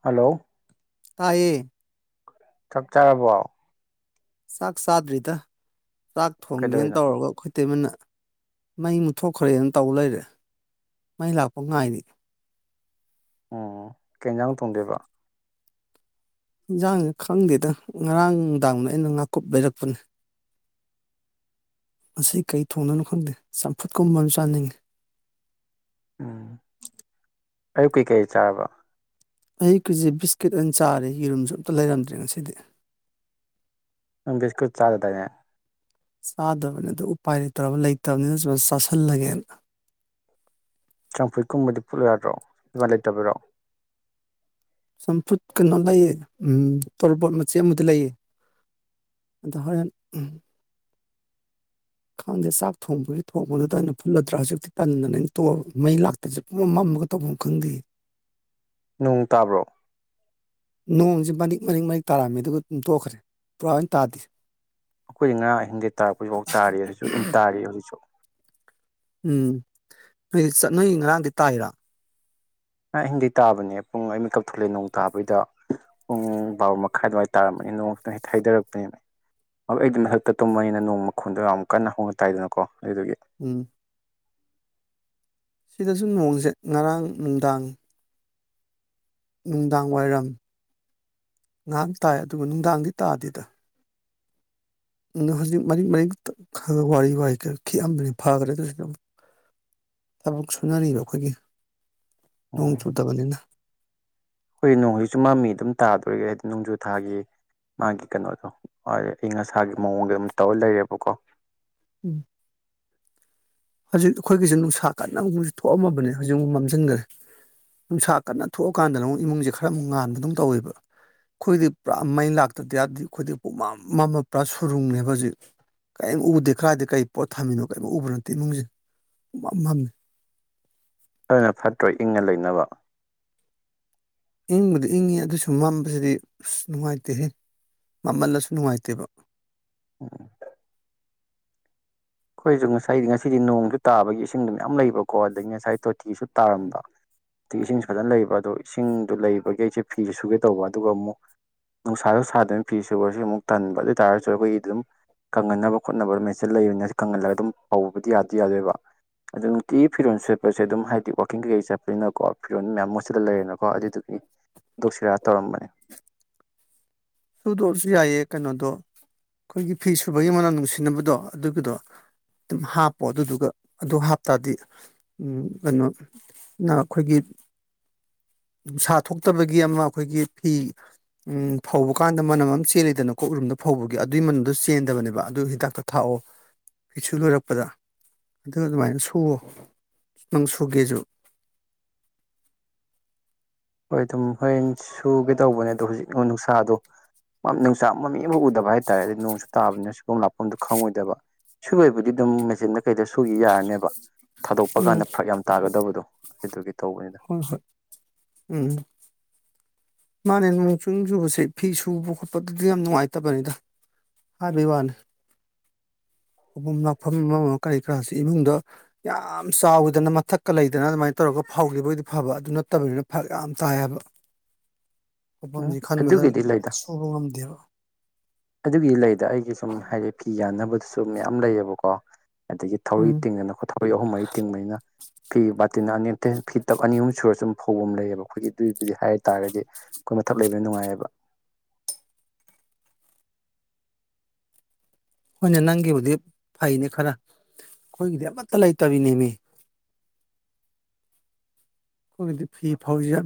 Hello ꯇꯥꯏꯌꯦ ꯆꯥꯛ ꯆꯥꯔꯕꯣ꯫ ꯆꯥꯛ ꯆꯥꯗ꯭ꯔꯤꯗ ꯆꯥꯛ ꯊꯣꯡꯒꯦꯅ ꯀꯩꯗꯧꯔꯤꯅꯣ ꯇꯧꯔꯒ ꯈꯨꯠ꯫ ꯑꯠꯇꯦꯃꯅ ꯃꯩ ꯃꯨꯠꯊꯣꯛꯈ꯭ꯔꯦꯅ ꯇꯧꯕ ꯂꯩꯔꯦ ꯃꯩ ꯂꯥꯛꯄ ꯉꯥꯏꯔꯤ ꯑꯣꯝ ꯀꯦꯟꯟꯁꯥꯡ ꯇꯣꯡꯗꯦꯕ ꯌꯦꯟꯁꯥꯡꯁꯦ ꯈꯪꯗꯦꯗ ꯉꯔꯥꯡ ꯅꯨꯡꯗꯥꯡꯗ ꯑꯩꯅ ꯉꯥꯀꯨꯞ ꯂꯩꯔꯛꯄꯅꯦ ꯑꯁꯤ ꯀꯩ ꯊꯣꯡꯅꯅꯣ ꯈꯪꯗꯦ ꯆꯝꯐꯨꯠꯀꯨꯝꯕ ꯑꯃ ꯆꯥꯅꯤꯡꯉꯤ ꯎꯝ ꯑꯌꯨꯛ ꯀꯩꯀꯩ ꯆꯥꯔꯕ ꯑꯩ ꯀꯦꯖꯤ ꯕꯤꯁꯀꯤꯠ ꯑ ꯑꯣꯏꯅ ꯆꯥꯔꯦ ꯌꯦꯔꯨꯝꯁꯨ ꯑꯝꯇ ꯂꯩꯔꯝꯗ꯭ꯔꯦ ꯉꯁꯤꯗꯤ ꯝ ꯕꯤꯁꯀꯨꯠ ꯆꯥꯖꯗꯅꯦ ꯆꯥꯗꯕꯅꯤ ꯑꯗ ꯎꯄꯥꯏ ꯂꯩꯇ꯭ꯔꯕ ꯂꯩꯇꯕꯅꯤꯅ ꯁꯨꯃꯥꯏꯅ ꯆꯥꯁꯤꯜꯂꯒꯦꯅ ꯆꯝꯐꯨꯔꯤꯠ ꯀꯨꯝꯕꯗꯤ ꯐ ꯄꯨꯠꯂꯣꯏ ꯌꯥꯗ꯭ꯔꯣ ꯑꯗꯨꯃꯥꯏ ꯂꯩꯇꯕꯤꯔꯣ ꯆꯝꯐꯨꯠ ꯀꯩꯅꯣ ꯂꯩꯌꯦ ꯎꯝ ꯇꯣꯔꯕꯣꯠ ꯃꯆꯦ ꯑꯃꯗꯤ ꯂꯩꯌꯦ꯫ ꯑꯗ ꯍꯦꯟ ꯈꯪꯗꯦ ꯆꯥꯛ ꯊꯣꯡꯕꯒꯤ ꯊꯣꯡꯕꯗꯨꯗ ꯑꯩꯅ ꯐꯨꯜꯂꯗ꯭ꯔꯥ ꯍꯧꯖꯤꯛꯇꯤ ꯇꯟꯗ ꯃꯩ ꯂꯥꯛ ꯍꯧꯖꯤꯛ ꯄꯨꯃꯝ ꯃꯝꯃꯒ ꯇꯧꯐꯝ ꯈꯪꯗꯦ ꯅꯣꯡ ꯇꯥꯕ꯭ꯔꯣ ꯅꯣꯡꯁꯦ ꯃꯅꯤꯛ ꯃꯔꯤꯛ ꯃꯔꯤꯛ ꯇꯥꯔꯝꯃꯤ ꯑꯗꯨꯒ ꯗꯨꯝ ꯇꯣꯈ꯭ꯔꯦ ꯄꯨꯔꯥ ꯂꯅ ꯇꯥꯗꯦ ꯑꯩꯈꯣꯏꯗꯤ ꯉꯥ ꯑꯍꯤꯡꯒꯩ ꯇꯥꯔꯛꯄꯁꯤꯐꯥꯎ ꯇꯥꯔꯤ ꯍꯧꯖꯤꯛꯁꯨ ꯑꯗꯨꯝ ꯇꯥꯔꯤ ꯍꯧꯖꯤꯛꯁꯨ ꯎꯝ ꯅꯣꯏ ꯆꯠꯅꯣꯏꯩ ꯉꯔꯥꯡꯗꯤ ꯇꯥꯏꯔꯥ ꯑ ꯍꯤꯡꯗꯩ ꯇꯥꯕꯅꯦ ꯄꯨꯡ ꯑꯅꯤ ꯀꯛꯊꯣꯛꯂꯦ ꯅꯣꯡ ꯇꯥꯕꯩꯗ ꯄꯨꯡ ꯕꯥꯔꯣ ꯃꯈꯥꯏ ꯑꯗꯨꯃꯥꯏꯅ ꯇꯥꯔꯝꯃꯅꯤ ꯅꯣꯡ ꯈꯤꯇꯪ ꯍꯦꯛ ꯍꯩꯗꯔꯛꯄꯅꯦ ꯑꯩꯗꯤ ꯃꯊꯛꯇ ꯇꯨꯝꯕꯅꯤꯅꯥ ꯅꯣꯡ ꯃꯈꯣꯟꯗꯣ ꯌꯥꯝ ꯀꯟꯅ ꯍꯧꯅ ꯇꯥꯏꯗꯅꯀꯣ ꯑꯗꯨꯗꯨꯒꯤ ꯎꯝ ꯁꯤꯗꯁꯨ ꯅꯣꯡꯁꯦ ꯉꯔꯥꯡ ꯅꯨꯡꯗꯥꯡ ꯅꯨꯡꯗꯥꯡ ꯋꯥꯏꯔꯝ ꯉꯥꯏꯍꯥꯛ ꯇꯥꯏ ꯑꯗꯨꯒ ꯅꯨꯡꯗꯥꯡꯗꯤ ꯇꯥꯗꯦꯗ ꯍꯧꯖꯤꯛ ꯃꯔꯤꯛ ꯃꯔꯤꯛ ꯈꯒ ꯋꯥꯔꯤ ꯋꯥ ꯈꯔ ꯈꯤꯛꯑꯗꯅꯤ ꯐꯥꯈ꯭ꯔꯦ ꯑꯗꯨ ꯊꯕꯛ ꯁꯨꯅꯔꯤꯕ ꯑꯩꯈꯣꯏꯒꯤ ꯅꯣꯡ ꯆꯨꯗꯕꯅꯤꯅ ꯍꯈꯣꯏ ꯅꯣꯡ ꯍꯧꯖꯤꯛꯁꯨ ꯃꯃꯤ ꯑꯗꯨꯝ ꯇꯥꯗꯣꯔꯤꯒꯦ ꯍꯥꯏꯗꯤ ꯅꯣꯡꯖꯨ ꯊꯥꯒꯤ ꯃꯥꯒꯤ ꯀꯩꯅꯣꯗꯣꯗꯤ ꯑꯌꯪ ꯑꯁꯥꯒꯤ ꯃꯑꯣꯡꯗ ꯑꯗꯨꯝ ꯇꯧꯔ ꯂꯩꯔꯦꯕꯀꯣ ꯎꯝ ꯍꯧꯖꯤꯛ ꯑꯩꯈꯣꯏꯒꯤꯁꯦ ꯅꯨꯡꯁꯥ ꯀꯟꯅꯒꯨꯝꯕꯁꯨ ꯊꯣꯛꯑꯝꯃꯕꯅꯦ ꯍꯧꯖꯤꯛꯐꯥꯎꯛ ꯃꯝꯁꯤꯟꯈ꯭ꯔꯦ ꯅꯨꯡꯁꯥ ꯀꯟꯅ ꯊꯣꯛꯑꯀꯥꯟꯗꯅ ꯑꯃꯨꯛ ꯏꯃꯨꯡꯁꯦ ꯈꯔ ꯑꯃꯨꯛ ꯉꯥꯟꯕ ꯑꯗꯨꯝ ꯇꯧꯋꯦꯕ ꯑꯩꯈꯣꯏꯗꯤ ꯄꯨꯔꯥ ꯃꯩ ꯂꯥꯛꯇꯗꯤ ꯌꯥꯗꯦ ꯑꯩꯈꯣꯏꯗꯤ ꯄꯨꯃꯝ ꯑꯃꯃ ꯄꯨꯔꯥ ꯁꯨꯔꯨꯡꯅꯦꯕ ꯍꯧꯖꯤꯛ ꯀꯔꯤꯝ ꯎꯕꯗꯦ ꯈꯔꯗꯤ ꯀꯔꯤ ꯄꯣꯠ ꯊꯝꯃꯤꯅꯣ ꯀꯔꯤꯝ ꯎꯕ ꯅꯠꯇꯦ ꯏꯃꯨꯡꯁꯦꯝꯃꯦ ꯑꯗꯨꯅ ꯐꯠꯇ꯭ꯔꯣ ꯏꯪꯉ ꯂꯩꯅꯕ ꯏꯪꯕꯗꯤ ꯏꯪꯉꯤ ꯑꯗꯨꯁꯨ ꯃꯝꯕꯁꯤꯗꯤ ꯑꯁ ꯅꯨꯡꯉꯥꯏꯇꯦꯍꯦ ꯃꯝꯍꯜꯂꯁꯨ ꯅꯨꯡꯉꯥꯏꯇꯦꯕ ꯎ ꯑꯩꯈꯣꯏꯁꯨ ꯉꯁꯥꯏꯗꯤ ꯉꯁꯤꯗꯤ ꯅꯣꯡꯁꯨ ꯇꯥꯕꯒꯤ ꯏꯁꯤꯡꯗ ꯃꯌꯥꯝ ꯂꯩꯕꯀꯣ ꯑꯗꯒꯤ ꯉꯁꯥꯏ ꯇꯤꯁꯨ ꯇꯥꯔꯝꯕ ꯇꯤ ꯏꯁꯤꯡꯁꯨ ꯐꯖꯅ ꯂꯩꯕ ꯑꯗꯣ ꯏꯁꯤꯡꯗꯣ ꯂꯩꯕꯒꯤ ꯑꯩꯁꯦ ꯐꯤꯁꯨ ꯁꯨꯒꯦ ꯇꯧꯕ ꯑꯗꯨꯒ ꯑꯃꯨꯛ ꯅꯨꯡꯁꯥꯗꯁꯥꯗꯅ ꯐꯤꯔꯤꯁꯤꯦ ꯑꯣꯏꯔꯁ ꯑꯃꯨꯛ ꯇꯟꯕ ꯑꯗꯨ ꯑꯣꯏꯇꯥꯥꯔꯒꯁꯨ ꯑꯩꯈꯣꯏꯒꯤ ꯑꯗꯨꯝ ꯀꯪꯍꯟꯅꯕ ꯈꯣꯠꯅꯕ ꯃꯦꯆꯤꯟ ꯂꯩꯕꯅꯦ ꯀꯪꯍꯜꯂꯒ ꯑꯗꯨꯝ ꯐꯧꯕꯗꯤ ꯌꯥꯗꯤ ꯌꯥꯗꯣꯏꯕ ꯑꯗꯨ ꯅꯨꯡꯇꯤꯒꯤ ꯐꯤꯔꯣꯜ ꯁꯦꯠꯄꯁꯦ ꯑꯗꯨꯝ ꯍꯥꯏꯗꯤ ꯋꯥꯛꯀꯤꯡ ꯀꯩꯀꯩ ꯆꯠꯄꯅꯤꯅꯀꯣ ꯐꯤꯔꯣꯜ ꯃꯌꯥꯝ ꯃꯣꯠꯁꯤꯟꯂ ꯂꯩꯔꯦꯅꯀꯣ ꯑꯗꯨꯗꯨꯒꯤ ꯗꯣꯁꯤꯔ ꯇꯧꯔꯝꯕꯅꯦ ꯁꯨꯗꯣꯛꯑꯁꯨ ꯌꯥꯏꯑ ꯀꯩꯅꯣꯗꯣ ꯑꯩꯈꯣꯏꯒꯤ ꯐꯤ ꯁꯨꯕꯒꯤ ꯃꯅꯝ ꯅꯨꯡꯁꯤꯅꯕꯗꯣ ꯑꯗꯨꯒꯤꯗꯣ ꯑꯗꯨꯝ ꯍꯥꯞꯄꯣ ꯑꯗꯨꯗꯨꯒ ꯑꯗꯨ ꯍꯥꯞꯇꯥꯔꯗꯤ ꯎꯝ ꯀꯩꯅꯣ ꯅ ꯑꯩꯈꯣꯏꯒꯤ ꯅꯨꯡꯁꯥ ꯊꯣꯛꯇꯕꯒꯤ ꯑꯃ ꯑꯩꯈꯣꯏꯒꯤ ꯐꯤ ꯎꯝ ꯐꯧꯕ ꯀꯥꯟꯗ ꯃꯅꯝ ꯑꯃ ꯆꯦꯜꯂꯤꯗꯅꯀꯣ ꯔꯨꯝꯗ ꯐꯧꯕꯒꯤ ꯑꯗꯨꯏ ꯃꯅꯝꯗꯣ ꯆꯦꯟꯗꯕꯅꯦꯕ ꯑꯗꯨ ꯍꯤꯗꯥꯛꯇ ꯊꯥꯛꯑꯣ ꯐꯤꯁꯨꯕ ꯂꯣꯏꯔꯛꯄꯗ ꯑꯗꯨ ꯑꯗꯨꯃꯥꯏꯅ ꯁꯨꯋꯣ ꯅꯪ ꯁꯨꯒꯦꯁꯨ ꯍꯣꯏ ꯑꯗꯨꯝ ꯍꯣꯔꯦꯟ ꯁꯨꯒꯦ ꯇꯧꯕꯅꯦ ꯑꯣ ꯍꯧꯖꯤꯛ ꯅꯨꯡꯁꯥꯗꯣ ꯅꯨꯡꯆꯥꯛ ꯃꯃꯤ ꯑꯃꯐꯛ ꯎꯗꯕ ꯍꯥꯏꯇꯥꯔꯦ ꯑꯗꯨꯗꯤ ꯅꯣꯡꯁꯨ ꯇꯥꯕꯅꯤꯅ ꯁꯒꯣꯝ ꯂꯥꯛꯄꯐꯝꯗꯣ ꯈꯪꯉꯣꯏꯗꯕ ꯁꯨꯣꯏꯕꯨꯗꯤ ꯑꯗꯨꯝ ꯃꯦꯆꯤꯟꯗ ꯀꯩꯗ ꯁꯨꯈꯤ ꯌꯥꯔꯅꯦꯕ ꯊꯥꯗꯣꯛꯄ ꯎꯝ ꯀꯥꯟꯗ ꯐꯔꯛ ꯌꯥꯝ ꯇꯥꯒꯗꯕꯗꯣ ꯑꯗꯨꯒꯤ ꯇꯧꯕꯅꯤꯅ ꯍꯣꯏ ꯍꯣꯏ ꯎꯝ ꯃꯥꯅꯦ ꯅꯣꯡ ꯆꯨ ꯆꯨꯕꯁꯦ ꯐꯤ ꯁꯨꯕ ꯈꯣꯠꯄꯗꯗꯤ ꯌꯥꯝ ꯅꯨꯡꯉꯥꯏꯇꯕꯅꯤꯗ ꯍꯥꯏꯕꯩ ꯋꯥꯅꯦ ꯐꯝ ꯂꯥꯛꯐꯝ ꯑꯃ ꯀꯔꯤ ꯀꯔꯥꯁꯤ ꯏꯃꯨꯡꯗ ꯌꯥꯝ ꯆꯥꯎꯗꯅ ꯃꯊꯛꯀ ꯂꯩꯗꯅ ꯑꯗꯨꯃꯥꯏ ꯇꯧꯔꯒ ꯐꯧꯒꯤꯕ ꯑꫭꯏꯗꯤ ꯐꯕ ꯑꯗꯨ ꯅꯠꯇꯕꯅꯤꯅ ꯐꯔꯛ ꯌꯥꯝ ꯇꯥꯏ ꯎꯝ ꯑꯗꯨꯒꯤꯗꯤ ꯂꯩꯗ ꯎꯧꯕ ꯉꯝꯗꯦꯕ ꯑꯗꯨꯒꯤ ꯂꯩꯗ ꯑꯩꯒꯤ ꯁꯨꯝ ꯍꯥꯏꯗꯤ ꯐꯤ ꯌꯥꯟꯅꯕꯗꯨꯁꯨ ꯃꯌꯥꯝ ꯂꯩꯌꯦꯕꯀꯣ ꯑꯗꯒꯤ ꯊꯧꯔꯤ ꯎꯝ ꯇꯤꯡꯗꯅ ꯊꯧꯔꯤ ꯑꯍꯨꯝ ꯃꯔꯤ ꯇꯤꯡꯕꯅꯤꯅ ꯐꯤ ꯕꯥꯇꯤꯟ ꯑꯅꯤ ꯐꯤ ꯇꯞ ꯑꯅꯤ ꯑꯍꯨꯝ ꯁꯨꯔ ꯁꯨꯝ ꯐꯧꯕꯝ ꯂꯩꯌꯦꯕ ꯑꯩꯈꯣꯏꯒꯤ ꯑꯗꯨꯏꯕꯨꯗꯤ ꯍꯥꯏ ꯇꯥꯔꯒꯗꯤ ꯑꯩꯈꯣꯏ ꯃꯊꯛ ꯂꯩꯕꯅ ꯅꯨꯡꯉꯥꯏꯌꯦꯕ ꯍꯣꯏꯅꯦ ꯅꯪꯒꯤꯕꯨꯗꯤ ꯐꯩꯅꯦ ꯈꯔ ꯑꯩꯈꯣꯏꯒꯤꯗꯤ ꯑꯃꯠꯇ ꯂꯩꯇꯕꯤꯅꯦ ꯃꯤ ꯑꯩꯈꯣꯏꯒꯤꯗꯤ ꯐꯤ ꯐꯧꯖꯤꯒ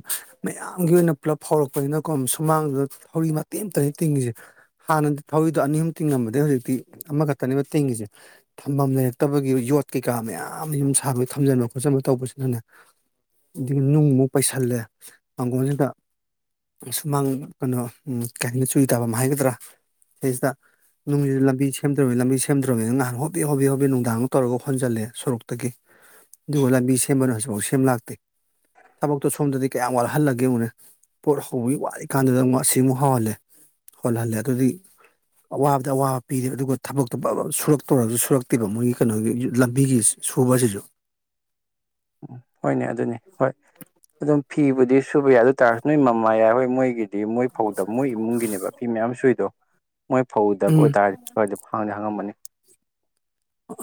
ꯃꯌꯥꯝꯒꯤ ꯑꯣꯏꯅ ꯄꯨꯂꯞ ꯐꯧꯔꯛꯄꯅꯤꯅꯀꯣ ꯁꯨꯃꯥꯡꯗꯨꯗ ꯊꯧꯔꯤ ꯃꯇꯦꯝ ꯑꯃꯇꯅꯤ ꯇꯤꯡꯉꯤꯁꯦ ꯍꯥꯟꯅꯗꯤ ꯊꯧꯔꯤꯗꯣ ꯑꯅꯤ ꯑꯍꯨꯝ ꯇꯤꯡꯉꯝꯕꯗꯩꯩ ꯍꯧꯖꯤꯛꯇꯤ ꯑꯃꯈꯛꯇꯅꯦꯕ ꯇꯤꯡꯉꯤꯁꯦ ꯊꯝꯕꯝ ꯂꯩꯔꯛꯇꯕꯒꯤ ꯌꯣꯠ ꯀꯩꯀꯥ ꯃꯌꯥꯝ ꯌꯨꯝ ꯁꯥꯕꯩ ꯊꯝꯖꯟꯕ ꯈꯣꯠꯆꯟꯕ ꯇꯧꯕꯁꯤꯅꯅꯦ ꯑꯗꯒꯤ ꯅꯨꯡꯃꯨꯛ ꯄꯩꯁꯜꯂꯦ ꯃꯥꯡꯒꯣꯜꯁꯤꯗ ꯁꯨꯃꯥꯡ ꯀꯩꯅꯣ ꯀꯩ ꯍꯥꯏꯅ ꯆꯨꯔꯤ ꯇꯥꯕꯝ ꯍꯥꯏꯒꯗ꯭ꯔꯥ ꯁꯤꯗꯩꯩꯁꯤꯗ ꯅꯨꯡꯁꯤ ꯂꯝꯕꯤ ꯁꯦꯝꯗ꯭ꯇꯧꯕꯅꯤ ꯂꯝꯕꯤ ꯁꯦꯝꯗ꯭ꯔꯧꯕꯅꯤ ꯅꯍꯥꯟ ꯍꯣꯕꯦ ꯍꯣꯕꯦ ꯅꯨꯡꯗꯥꯡꯒ ꯇꯧꯔꯒ ꯍꯣꯟꯖꯜꯂꯦ ꯁꯣꯔꯣꯛꯇꯒꯤ ꯑꯗꯨꯒ ꯂꯝꯕꯤ ꯁꯦꯝꯕꯅ ꯍꯧꯖꯤꯛ ꯄꯥꯎ ꯁꯦꯝ ꯂꯥꯛꯇꯦ ꯊꯕꯛꯇꯣ ꯁꯣꯝꯗꯗꯤ ꯀꯌꯥꯝ ꯋꯥꯠꯍꯜꯂꯒꯦ ꯌꯦꯡꯉꯨꯅꯦ ꯄꯣꯠ ꯍꯧꯕꯒꯤ ꯋꯥꯔꯤ ꯀꯥꯟꯗꯨꯗ ꯑꯃꯨꯛ ꯑꯁꯤꯃꯨꯛ ꯍꯧꯍꯜꯂꯦ ꯍꯣꯜꯍꯜꯂꯦ ꯑꯗꯨꯗꯤ ꯑꯋꯥꯕꯗ ꯑꯋꯥꯕ ꯄꯤꯔꯦ ꯑꯗꯨꯒ ꯊꯕꯛꯇꯣ ꯁꯨꯔꯛꯇꯧꯔꯁꯨ ꯁꯨꯔꯛꯇꯦꯕ ꯃꯣꯏꯒꯤ ꯀꯩꯅꯣꯒꯤ ꯂꯝꯕꯤꯒꯤ ꯁꯨꯕꯁꯤꯁꯨ ꯍꯣꯏꯅꯦ ꯑꯗꯨꯅꯤ ꯍꯣꯏ ꯑꯗꯨꯝ ꯐꯤꯕꯨꯗꯤ ꯁꯨꯕ ꯌꯥꯏ ꯑꯗꯨ ꯇꯥꯔꯁꯨ ꯅꯣꯏ ꯃꯃꯥꯌꯥꯏ ꯍꯣꯏ ꯃꯣꯏꯒꯤ ꯃꯣꯏ ꯐꯧꯗꯕ ꯃꯣꯏ ꯏꯃꯨꯡꯒꯤꯅꯦꯕ ꯐꯤ ꯃꯌꯥꯝ ꯁꯨꯏꯗꯣ ꯃꯣꯏ ꯐꯧꯗꯕ ꯎꯝ ꯑꯣꯏꯇꯥꯔꯗꯤ ꯀꯣꯏꯗꯝ ꯍꯪꯗꯤ ꯍꯥꯡꯉꯝꯕꯅꯤ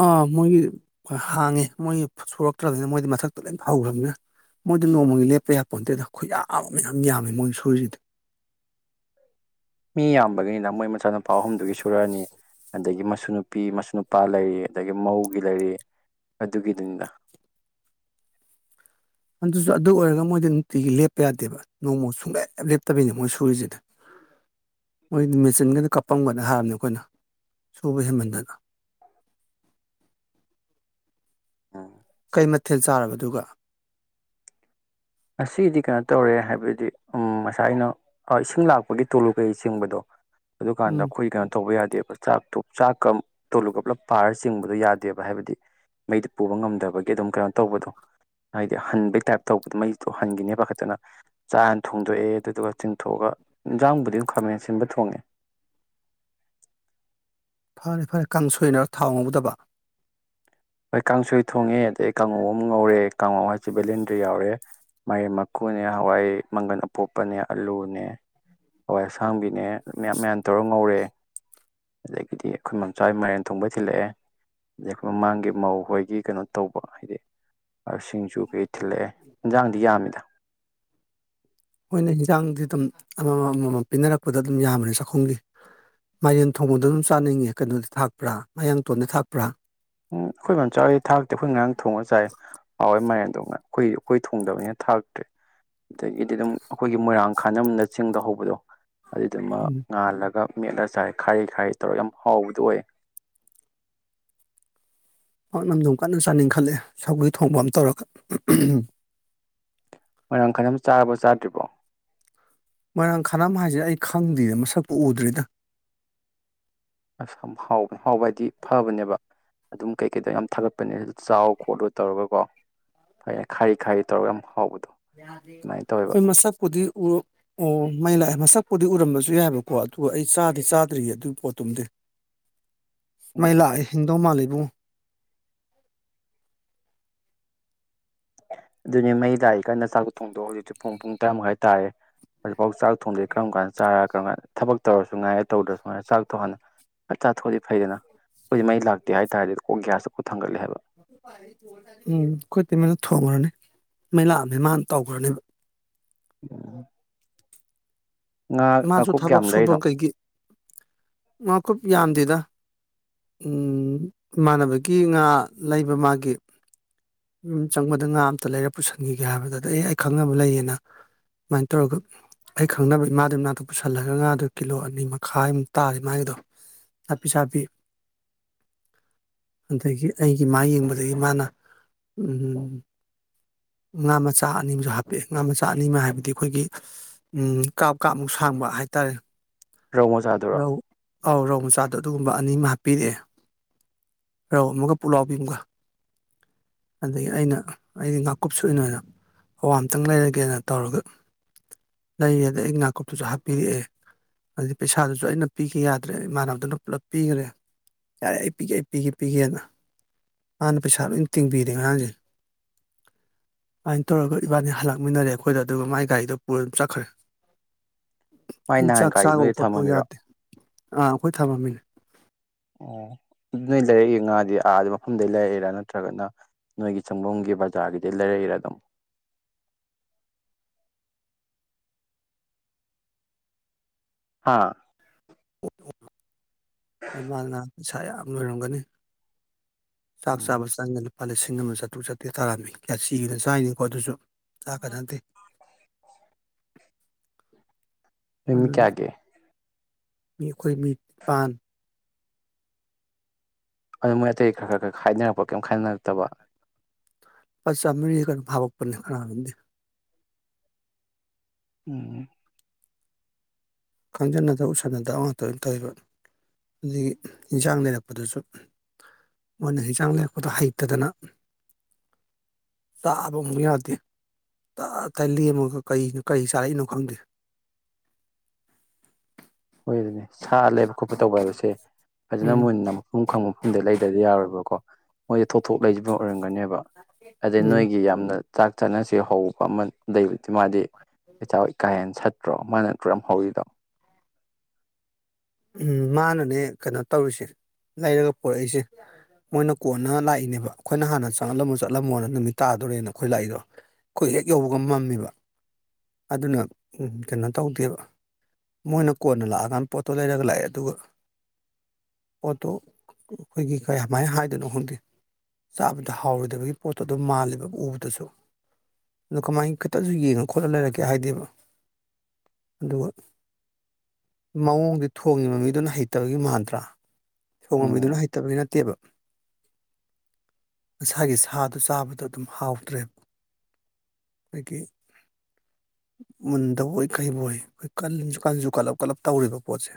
ꯑꯥ ꯃꯣꯏꯒꯤ ꯍꯥꯡꯉꯦ ꯃꯣꯏꯒꯤ ꯁꯣꯔꯛꯇ꯭ꯔꯕꯅꯤꯅ ꯃꯣꯏꯗꯤ ꯃꯊꯛꯇ ꯂꯣꯏ ꯍꯧꯈ꯭ꯔꯕꯅꯤꯅ ꯃꯣꯏꯗ ꯅꯣꯡꯃꯒꯤ ꯂꯦꯞꯄ ꯌꯥꯄꯣꯟꯇꯦꯗ ꯈꯨꯌꯥꯝ ꯃꯌꯥꯝ ꯌꯥꯝꯃꯦ ꯃꯣꯏꯒꯤ ꯁꯨꯔꯤꯁꯤꯗꯤ ꯃꯤ ꯌꯥꯝꯕꯒꯤꯅꯤꯅ ꯃꯣꯏ ꯃꯆꯥꯅꯨꯄꯥ ꯑꯍꯨꯝꯗꯨꯒꯤ ꯁꯨꯔꯛꯑꯅꯤ ꯑꯗꯒꯤ ꯃꯁꯨ ꯅꯨꯄꯤ ꯃꯁꯨ ꯅꯨꯄꯥ ꯂꯩꯔꯤ ꯑꯗꯒꯤ ꯃꯧꯒꯤ ꯂꯩꯔꯤ ꯑꯗꯨꯒꯤꯗꯨꯅꯤꯗ ꯑꯗꯨꯁꯨ ꯑꯗꯨ ꯑꯣꯏꯔꯒ ꯃꯣꯏꯗꯤ ꯅꯨꯡꯇꯤꯒꯤ ꯂꯦꯞꯄ ꯌꯥꯗꯦꯕ ꯅꯣꯡꯕꯨꯡ ꯁꯨꯡꯂꯦꯞ ꯂꯦꯞꯇꯕꯤꯅꯦ ꯃꯣꯏ ꯁꯨꯔꯤꯁꯤꯗ ꯃꯣꯏꯒꯤꯗꯤ ꯃꯦꯆꯤꯟꯒꯟꯅ ꯀꯞꯄꯝꯒꯅ ꯍꯥꯏꯔꯕꯅꯤ ꯑꯩꯈꯣꯏꯅ ꯁꯨꯕ ꯍꯟꯃꯟꯗꯅ ꯎꯝ ꯀꯩ ꯃꯊꯦꯜ ꯆꯥꯔꯕ ꯗꯨꯒ ꯑꯁꯤꯒꯤꯗꯤ ꯀꯩꯅꯣ ꯇꯧꯔꯦ ꯍꯥꯏꯕꯗꯤ ꯉꯁꯥꯏ ꯑꯩꯅ ꯑ ꯏꯁꯤꯡ ꯂꯥꯛꯄꯒꯤ ꯇꯨꯂꯨ ꯀꯩ ꯆꯤꯡꯕꯗꯣ ꯑꯗꯨꯀꯥꯟꯗ ꯎꯝ ꯑꯩꯈꯣꯏ ꯀꯩꯅꯣ ꯇꯧꯕ ꯌꯥꯗꯦꯕ ꯆꯥꯛꯇꯣ ꯆꯥꯛꯀ ꯇꯣꯂꯨ ꯀꯞꯂꯞ ꯄꯥꯔ ꯆꯤꯡꯕꯗꯣ ꯌꯥꯗꯦꯕ ꯍꯥꯏꯕꯗꯤ ꯃꯩꯗꯨ ꯄꯨꯕ ꯉꯝꯗꯕꯒꯤ ꯑꯗꯨꯝ ꯀꯩꯅꯣ ꯇꯧꯕꯗꯣ ꯍꯥꯏꯗꯤ ꯍꯟꯕꯩ ꯇꯥꯏꯞ ꯇꯧꯕꯗꯣ ꯃꯩ ꯍꯟꯈꯤꯅꯦ ꯄꯈꯥꯠ ꯇꯥꯅꯥ ꯆꯥ ꯍꯅ ꯊꯣꯡꯗꯣꯛꯑꯦ ꯑꯗꯨꯗꯨꯒ ꯆꯤꯡꯊꯣꯛꯑꯒ ꯌꯦꯟꯖꯥꯡꯕꯨꯗꯤ ꯑꯗꯨꯝ ꯈꯥꯃꯦꯟ ꯁꯤꯟꯕ ꯊꯣꯡꯉꯦ ꯐꯔꯦ ꯐꯔꯦ ꯀꯥꯡ ꯁꯣꯏꯅ ꯊꯥꯎ ꯉꯧꯗꯕ ꯍꯣꯏ ꯀꯥꯡꯁꯣꯏ ꯊꯣꯡꯉꯦ ꯑꯗꯩ ꯀꯥꯡꯉꯧ ꯑꯃ ꯉꯧꯔꯦ ꯀꯥꯡꯉꯧ ꯍꯥꯏꯦ ꯕꯦꯂꯦꯟꯗ꯭ꯔ ꯌꯥꯎꯔꯦ ꯃꯦꯝ ꯃꯀꯨꯅꯦ ꯍꯋꯥꯏ ꯃꯪꯒꯟ ꯑꯄꯣꯛꯄꯅꯦ ꯑꯂꯨꯅꯦ ꯍꯣꯏ ꯑꯁꯥꯡꯕꯤꯅꯦ ꯃꯌꯥꯝ ꯃꯌꯥꯝ ꯇꯧꯔ ꯉꯧꯔꯦ ꯑꯗꯒꯤꯗꯤ ꯑꯩꯈꯣꯏ ꯃꯆꯥꯒꯤ ꯃꯥꯏꯔꯦꯟ ꯊꯣꯡꯕ ꯊꯤꯜꯂꯛꯑꯦ ꯑꯗꯒꯤ ꯑꯩꯈꯣꯏ ꯃꯃꯥꯡꯒꯤ ꯃꯧ ꯍꯣꯏꯒꯤ ꯀꯩꯅꯣ ꯇꯧꯕ ꯍꯥꯏꯗꯤ ꯁꯤꯡꯁꯨ ꯀꯩ ꯊꯤꯜꯂꯛꯑꯦ ꯏꯟꯖꯥꯡꯗꯤ ꯌꯥꯝꯃꯤꯗ ꯑꯩꯈꯣꯏꯅ ꯏꯟꯖꯥꯡꯗꯤ ꯑꯗꯨꯝ ꯑꯃꯃꯝ ꯑꯃꯃꯝ ꯄꯤꯅꯔꯛꯄꯗ ꯑꯗꯨꯝ ꯌꯥꯝꯕꯅꯦ ꯆꯥꯛꯈꯨꯝꯒꯤ ꯃꯥꯏꯔꯦꯟ ꯊꯣꯡꯕꯗꯨꯝ ꯆꯥꯅꯤꯡꯉꯦ ꯀꯩꯅꯣꯗꯣ ꯊꯥꯛꯄ꯭ꯔꯥ ꯃꯌꯥꯡꯇꯣꯟꯗꯣ ꯊꯥꯛꯄ꯭ꯔꯥ ꯎꯝ ꯑꯩꯈꯣꯏ ꯃꯝꯆꯥ ꯊꯥꯛꯇꯦ ꯑꯩꯈꯣꯏ ꯉꯔꯥꯡ ꯊꯣꯡꯉꯒ ꯆꯥꯏ ꯍꯥꯎꯋꯦ ꯃꯥꯏꯔꯦꯟꯗꯣ ꯑꯩꯈꯣꯏ ꯑꯩꯈꯣꯏ ꯊꯣꯡꯗꯕꯅꯤꯅ ꯊꯥꯛꯇ꯭ꯔꯦ ꯑꯗꯒꯤꯗꯤ ꯑꯗꯨꯝ ꯑꯩꯈꯣꯏꯒꯤ ꯃꯣꯏꯔꯥꯡ ꯈꯥꯅꯝꯅ ꯆꯤꯡꯗ ꯍꯧꯕꯗꯣ ꯑꯗꯨ ꯗꯨꯃ ꯉꯥꯜꯂꯒ ꯃꯦꯠꯂ ꯆꯥꯏ ꯈꯥꯔꯤ ꯈꯥꯔꯤ ꯇꯧꯔꯒ ꯌꯥꯝ ꯍꯥꯎꯕꯗꯨ ꯑꯣꯏ ꯄꯥꯛꯅꯝꯗꯨꯝ ꯀꯟꯅ ꯆꯥꯅꯤꯡꯈꯠꯂꯦ ꯁꯧꯒꯔ꯭ꯤ ꯊꯣꯡꯕ ꯑꯃ ꯇꯧꯔꯒ ꯃꯣꯏꯔꯥꯡ ꯈꯔꯝ ꯆꯥꯔꯕ ꯆꯥꯗ꯭ꯔꯤꯕꯣ ꯃꯣꯏꯔꯥꯡ ꯈꯅꯝ ꯍꯥꯏꯁꯦ ꯑꯩ ꯈꯪꯗ꯭ꯔꯤꯗ ꯃꯁꯛꯄꯨ ꯎꯗ꯭ꯔꯦꯗ ꯍꯕ ꯍꯥꯎꯕ ꯍꯥꯏꯗꯤ ꯐꯕꯅꯦꯕ ꯑꯗꯨꯝ ꯀꯩꯀꯩꯗꯣ ꯌꯥꯝ ꯊꯥꯒꯠꯄꯅꯦ ꯑꯗꯨ ꯆꯥꯎ ꯈꯣꯠꯂꯨ ꯇꯧꯔꯒ ꯀꯣ ꯐꯩꯦ ꯈꯥꯏꯔꯤ ꯈꯥꯏꯔꯤ ꯇꯧꯔꯒ ꯌꯥꯝ ꯍꯥꯎꯕꯗꯣ ꯑꯗꯨꯃꯥꯏꯅ ꯇꯧꯋꯦꯕ ꯑꯩꯈꯣꯏ ꯃꯆꯥꯥꯄꯗꯤ ꯎꯔ ꯑꯣ ꯃꯩ ꯂꯥꯛꯑꯦ ꯃꯁꯛꯄꯨꯗꯤ ꯎꯔꯝꯕꯁꯨ ꯌꯥꯏꯕꯀꯣ ꯑꯗꯨꯒ ꯑꯩ ꯆꯥꯗꯤ ꯆꯥꯗ꯭ꯔꯤꯌꯦ ꯑꯗꯨꯒꯤ ꯄꯣꯠꯇꯨꯝꯗꯤ [inaudible] ꯃꯥꯏ ꯎꯝ ꯂꯥꯛꯑꯦ ꯍꯤꯟꯗꯧ ꯃꯥꯕꯨꯡ ꯑꯗꯨꯅꯦ ꯃꯩ ꯂꯥꯛꯏꯀꯥꯟꯗ ꯆꯥꯛ ꯊꯣꯡꯗꯣ ꯍꯧꯖꯤꯛꯇꯤ ꯄꯨꯡ ꯄꯨꯡ ꯇꯔꯥ ꯃꯈꯉꯥꯏ ꯇꯥꯔꯦ ꯍꯧꯖꯤꯛꯐꯥꯎ ꯆꯥꯛ ꯊꯣꯡꯗꯩ ꯀꯔꯝ ꯀꯥꯟ ꯆꯥꯔꯥ ꯀꯔꯝ ꯀꯥꯟꯗ ꯊꯕꯛꯧꯔꯁꯨꯅꯨꯡꯥꯏꯦ ꯇꯧꯗ꯭ꯔꯁꯨꯃꯥꯏꯅ ꯆꯥꯛ ꯊꯣꯡꯍꯥꯟꯗ ꯆꯥꯛ ꯆꯥꯊꯣꯛꯑꯗꯤ ꯐꯩꯗꯅ ꯑꯩꯈꯣꯏꯗꯤ ꯃꯩ ꯂꯥꯛꯇꯦ ꯍꯥꯏꯇꯥꯔꯦ ꯑꯗꯨ ꯍꯨꯡꯒ꯭ꯌꯥꯁꯇꯨ ꯄꯨꯛ ꯊꯪꯒꯠꯂꯦ ꯍꯥꯏꯕ ꯎꯝ ꯑꯩꯈꯣꯏ ꯏꯇꯩꯃꯅ ꯊꯣꯡꯒ꯭ꯔꯅꯤ ꯃꯩ ꯂꯥꯛꯑꯝꯅꯦ ꯃꯥꯅ ꯇꯧꯒ꯭ꯔꯅꯦꯕ ꯎꯝ ꯉꯥ ꯃꯥꯖꯨ ꯉꯥꯀꯨꯞ ꯊꯕꯛ ꯀꯌꯥꯝ ꯂꯩꯔꯤꯅꯣ ꯁꯨꯕꯒꯩꯒꯤ ꯉꯥꯀꯨꯞ ꯌꯥꯝꯗꯦꯗ ꯎꯝ ꯏꯃꯥꯟꯅꯕꯒꯤ ꯉꯥ ꯂꯩꯕ ꯃꯥꯒꯤ ꯌꯨꯝ ꯆꯪꯕꯗ ꯉꯥ ꯑꯇ ꯂꯩꯔ ꯄꯨꯁꯟꯈꯤꯒꯦ ꯍꯥꯏꯕꯗ ꯑꯗ ꯑꯩ ꯈꯪꯅꯕ ꯂꯩꯌꯦꯅ ꯁꯨꯃꯥꯏꯅ ꯇꯧꯔꯒ ꯑꯩ ꯈꯪꯅꯕ ꯏꯃꯥꯗ ꯏꯃꯅꯥꯗꯣ ꯄꯨꯁꯜꯂꯒ ꯉꯥꯗꯣ ꯀꯤꯂꯣ ꯑꯅꯤ ꯃꯈꯥꯏꯃꯨꯛ ꯇꯥꯔꯦ ꯃꯥꯒꯤꯗꯣ ꯆꯄꯤꯁꯥꯕꯤꯄꯤ ꯑꯗꯒꯤ ꯑꯩꯒꯤ ꯃꯥ ꯌꯦꯡꯕꯗꯒꯤ ꯃꯥꯅ ꯎꯝ ꯎꯝ ꯉꯥ ꯃꯆꯥ ꯑꯅꯤ ꯑꯃꯖꯨ ꯍꯥꯞꯄꯦ ꯉꯥ ꯃꯆꯥ ꯑꯅꯤ ꯑꯃ ꯍꯥꯏꯕꯗꯤ ꯑꯩꯈꯣꯏꯒꯤ ꯎꯝ ꯀꯥꯞ ꯀꯥꯞꯃꯨꯛ ꯁꯥꯡꯕ ꯍꯥꯏꯇꯥꯔꯦ ꯔꯧ ꯃꯣꯖꯥꯗꯨꯔꯣ ꯔꯧ ꯑꯧ ꯔꯧ ꯃꯆꯥꯗꯣ ꯑꯗꯨꯒꯨꯝꯕ ꯑꯅꯤ ꯑꯃ ꯍꯥꯞꯄꯤꯔꯛꯑꯦ ꯔꯧ ꯑꯃꯒ ꯄꯨꯛꯂꯥꯎꯕꯤ ꯑꯃꯒ ꯑꯗꯒꯤ ꯑꯩꯅ ꯑꯩꯒꯤ ꯉꯥꯀꯨꯞ ꯁꯩꯅ ꯑꯣꯏꯅ ꯑꯋꯥ ꯑ ꯑꯃꯇꯪ ꯂꯩꯔꯒꯦꯅ ꯇꯧꯔꯒ ꯂꯩꯌꯦꯗ ꯑꯩ ꯅꯥꯀꯨꯞꯇꯨꯁꯨ ꯍꯥꯞꯄꯤꯔꯛꯑꯦ ꯍꯥꯏꯗꯤ ꯄꯩꯁꯥꯗꯨꯁꯨ ꯑꯩꯅ ꯄꯤꯈꯤ ꯌꯥꯗ꯭ꯔꯦ ꯏꯃꯥꯟꯅꯕꯗꯨꯅ ꯄꯨꯂꯞ ꯄꯤꯈ꯭ꯔꯦ ꯌꯥꯔꯦ ꯑꯩ ꯄꯤꯒꯦ ꯑꯩ ꯄꯤꯒꯦ ꯄꯤꯒꯦꯅ ꯍꯥꯟꯅ ꯄꯩꯁꯥ ꯂꯣꯏ ꯇꯤꯡꯕꯤꯔꯦꯍꯥꯟꯁꯦ ꯑꯗꯨꯃꯥꯏꯅ ꯇꯧꯔꯒ ꯏꯕꯥꯅꯤ ꯍꯜꯂꯛꯃꯤꯟꯅꯔꯦ ꯑꯩꯈꯣꯏꯗ ꯑꯗꯨꯒ ꯃꯥꯏ ꯒꯥꯔꯤꯗꯣ ꯄꯨꯔ ꯑꯗꯨꯝ ꯆꯠꯈ꯭ꯔꯦ ꯃꯥꯏ ꯑꯩꯅ ꯅꯍꯥꯟ ꯆꯥꯛ ꯀꯒꯥꯔꯤ ꯆꯥꯕ ꯅꯣꯏꯗ ꯈꯣꯠꯄ ꯊꯝꯃꯃꯤꯔꯣ ꯌꯥꯗꯦ ꯑꯥ ꯑꯩꯈꯣꯏ ꯊꯝꯕꯝꯃꯤꯅꯦ ꯑꯣ ꯑꯗꯨ ꯅꯣꯏ ꯂꯩꯔꯛꯏꯦ ꯉꯥꯗꯤ ꯑꯥꯗ ꯃꯐꯝꯗꯩ ꯂꯩꯔꯛꯑꯦꯔꯥ ꯅꯠꯇ꯭ꯔꯒꯅ ꯅꯣꯏꯒꯤ ꯆꯪꯒꯝꯒꯤ ꯕꯖꯥꯔꯒꯤꯗꯤꯩ ꯂꯩꯔꯛꯏꯔꯦ ꯑꯗꯨꯝ ꯍꯥꯥ ꯑꯣ ꯑꯗꯨꯃꯅꯅ ꯄꯩꯁꯥ ꯌꯥꯝ ꯂꯣꯏꯔꯝꯒꯅꯤ ꯆꯥꯛ ꯎꯝ ꯆꯥꯕ ꯆꯪꯉ ꯂꯨꯄꯥ ꯂꯤꯁꯤꯡ ꯑꯃ ꯆꯥꯇ꯭ꯔꯨꯛ ꯆꯥꯇ꯭ꯔꯦ ꯇꯔꯥꯅꯤ ꯀꯌꯥ ꯁꯤꯅ ꯆꯥꯔꯤꯅꯤꯀꯣ ꯑꯗꯨꯁꯨ ꯆ ꯀꯖꯇ ꯅꯤꯡꯃꯤ ꯀꯦꯌꯥꯒꯦ ꯃꯤꯈꯣꯏ ꯃꯤ ꯅꯤꯄꯥꯟ ꯑꯗꯨ ꯃꯣꯏ ꯑꯇꯩ ꯈꯔ ꯈꯔ ꯈꯔ ꯈ ꯍꯥꯏꯅꯔꯛꯄ ꯀꯩꯝ ꯈꯥꯏꯅꯔꯛꯇꯕ ꯄ ꯆꯥꯝꯔꯤ ꯀꯩꯅ ꯐꯥꯕꯛꯄꯅꯦ ꯀꯅꯥꯗꯤꯦ ꯎꯝ ꯈꯪꯖꯟꯅꯗ ꯎꯁꯟꯅꯗꯕ ꯉꯥꯛꯇ ꯑꯗꯨꯝ ꯇꯧꯋꯕ ꯑꯗꯒꯤ ꯏꯟꯁꯥꯡ ꯂꯩꯔꯛꯄꯗꯁꯨ ꯃꯣꯏꯅ ꯍꯤꯡꯖꯥꯡ ꯂꯩꯔꯛꯄꯗꯣ ꯍꯩꯇꯗꯅ ꯇꯥꯕ ꯑꯃꯛ ꯌꯥꯗꯦ ꯑ ꯂꯦꯝꯃꯒ ꯀꯔꯤꯩꯅꯣ ꯀꯔꯤ ꯆꯥꯔꯛꯏꯅꯣ ꯈꯪꯗꯦ ꯍꯣꯏ ꯑꯗꯨꯅꯤ ꯁꯥ ꯂꯩꯕ ꯈꯣꯠꯄ ꯇꯧꯕ ꯍꯥꯏꯕꯁꯦ ꯐꯖꯅ ꯃꯨ ꯎꯝ ꯅꯝ ꯃꯐꯝ ꯈꯪꯕ ꯃꯐꯝꯗ ꯂꯩꯗꯗꯤ ꯌꯥꯔꯣꯏꯕꯀꯣ ꯃꯣꯏꯁꯦ ꯊꯣꯊꯣꯛ ꯂꯩꯁꯤꯕ ꯑꯣꯏꯔꯝꯒꯅꯦꯕ ꯑꯗꯩ ꯎꯝ ꯅꯣꯏꯒꯤ ꯌꯥꯝꯅ ꯆꯥꯛ ꯆꯥꯅꯁ ꯍꯧꯕ ꯑꯃ ꯑꯗꯩꯕꯨꯗꯤ ꯃꯥꯗꯤ ꯀꯆꯥꯥꯎꯣꯏ ꯀꯥ ꯍꯦꯟꯅ ꯁꯠꯇ꯭ꯔꯣ ꯃꯥꯅ ꯀꯨꯔꯝ ꯍꯧꯔꯤꯗꯣ ꯎꯝ ꯃꯥꯅꯅꯦ ꯀꯩꯅꯣ ꯇꯧꯔꯤꯁꯦ ꯂꯩꯔꯒ ꯄꯔꯛꯏꯁꯦ ꯃꯣꯏꯅ ꯀꯣꯟꯅ ꯂꯥꯛꯏꯅꯦꯕ ꯑꯩꯈꯣꯏꯅ ꯍꯥꯟꯅ ꯆꯪꯂꯝꯃꯣ ꯆꯠꯂꯝꯃꯣꯅ ꯅꯨꯃꯤꯠ ꯇꯥꯗꯣꯔꯦꯅ ꯑꯩꯈꯣꯏ ꯂꯥꯛꯏꯗꯣ ꯑꯩꯈꯣꯏ ꯍꯦꯛ ꯌꯧꯕꯒ ꯃꯝꯃꯤꯕ ꯑꯗꯨꯅ ꯀꯩꯅꯣ ꯇꯧꯗꯦꯕ ꯃꯣꯏꯅ ꯀꯣꯟꯅ ꯂꯥꯛꯑꯀꯥꯟꯗ ꯄꯣꯠ ꯇꯣ ꯂꯩꯔꯒ ꯂꯥꯛꯑꯦ ꯑꯗꯨꯒ ꯄꯣꯠꯇꯣ ꯑꯩꯈꯣꯏꯒꯤ ꯀꯌꯥꯃꯥꯏꯅ ꯍꯥꯏꯗꯅꯣ ꯈꯪꯗꯦ ꯆꯥꯕꯗ ꯍꯥꯎꯔꯣꯏꯗꯕꯒꯤ ꯄꯣꯠꯇꯣ ꯑꯗꯨꯝ ꯃꯥꯜꯂꯦꯕ ꯎꯕꯗꯁꯨ ꯑꯗꯣ ꯀꯃꯥꯏꯅ ꯈꯤꯇꯁꯨ ꯌꯦꯡꯉ ꯈꯣꯠꯂ ꯂꯩꯔꯒꯦ ꯍꯥꯏꯗꯦꯕ ꯑꯗꯨꯒ ꯃꯑꯣꯡ ꯑꯗꯨ ꯊꯣꯡꯉꯤꯕ ꯃꯤꯗꯨꯅ ꯍꯩꯇꯕꯒꯤ ꯃꯥꯟꯗ꯭ꯔꯥ ꯊꯣꯡꯕ ꯎꯝ ꯃꯤꯗꯨꯅ ꯍꯩꯇꯕꯒꯤ ꯅꯠꯇꯦꯕ ꯃꯁꯥꯒꯤ ꯁꯥꯗꯨꯣ ꯆꯥꯕꯗꯣ ꯑꯗꯨꯝ ꯍꯥꯎꯗ꯭ꯔꯦꯕ ꯑꯩꯗꯒꯤ ꯃꯨꯟꯗꯕ ꯑꯣꯏ ꯀꯩꯕꯨ ꯑꯣꯏ ꯑꯩꯈꯣꯏ ꯀꯟꯁꯨ ꯀꯟꯁꯨ ꯀꯜꯂꯞ ꯀꯂꯞ ꯇꯧꯔꯤꯕꯀꯣ ꯄꯣꯁꯦ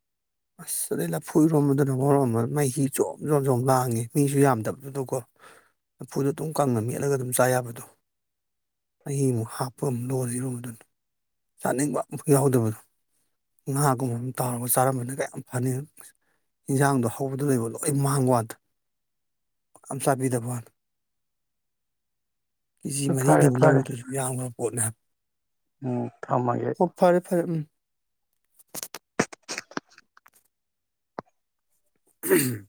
[inaudible] ꯑꯁ ꯑꯗꯩ ꯂꯐꯨꯔꯣꯝꯝꯕꯗꯨꯅ ꯉꯔꯣꯝꯕ ꯃꯍꯤꯖꯣꯝ ꯖꯣꯝ ꯣꯝ ꯂꯥꯡꯉꯦ ꯃꯤꯁꯨ ꯌꯥꯝꯗꯕꯗꯨꯅꯀꯣ ꯂꯐꯨꯗꯣ ꯑꯗꯨꯝ ꯀꯪꯅ ꯃꯦꯠꯂꯒ ꯑꯗꯨꯝ ꯆꯥ ꯌꯥꯕꯗꯣ ꯑꯩꯃꯨꯛ ꯍꯥꯞꯄ ꯑꯃ ꯂꯣꯁꯤꯔꯣꯝꯗꯅ ꯆꯥꯅꯤꯡꯕ ꯑꯃꯝꯛ ꯌꯥꯎꯗꯕꯗꯣ ꯉꯥꯒꯨꯝꯕ ꯑꯃ ꯇꯥꯎꯔꯒ ꯆꯥꯔꯝꯕꯅ ꯀꯌꯥꯝ ꯐꯅꯤ ꯌꯦꯟꯖꯥꯡꯗꯣ ꯍꯧꯕꯗ ꯂꯩꯕ ꯂꯣꯏ ꯃꯥꯡꯕ ꯋꯥꯗ ꯑꯝꯁꯥꯕꯤꯗꯕꯜ [inaudible] ꯀꯦꯖꯤ ꯐꯔꯦ ꯃꯔꯤꯅꯤꯃꯤ ꯐꯔꯦ ꯂꯧꯔꯤꯗꯗꯨꯁꯨ ꯌꯥꯝꯕ ꯄꯣꯠꯅꯦ ꯍꯥꯏ ꯎꯝ ꯊꯃꯦ ꯐꯔꯦ ꯐꯔꯦ ꯎꯝ ꯎ